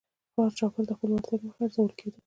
هر شاګرد د خپلې وړتیا له مخې ارزول کېده.